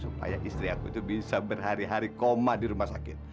supaya istri aku itu bisa berhari hari koma di rumah sakit